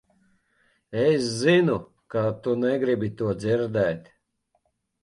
Es zinu, ka tu negribi to dzirdēt.